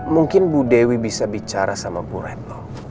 mungkin bu dewi bisa bicara sama bu retno